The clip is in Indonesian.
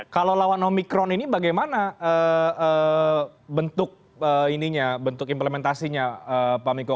kalau lawan omicron ini bagaimana bentuk implementasinya pak mikko